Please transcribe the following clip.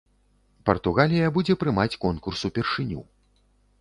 Партугалія будзе прымаць конкурс упершыню.